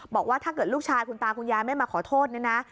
บอกว่าถ้าเกิดลูกชายคุณตาคุณยายไม่มาขอโทษเนี่ยนะ